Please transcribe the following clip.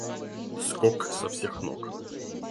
Скок со всех ног.